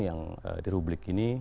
yang di publik ini